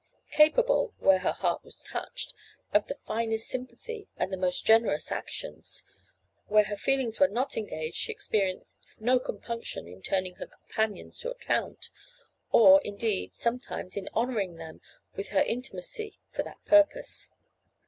Capable, where her heart was touched, of the finest sympathy and the most generous actions, where her feelings were not engaged she experienced no compunction in turning her companions to account, or, indeed, sometimes in honouring them with her intimacy for that purpose.